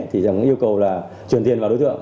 thì yêu cầu là truyền tiền vào đối tượng